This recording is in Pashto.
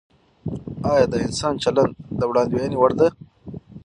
آیا د انسان چلند د وړاندوینې وړ دی؟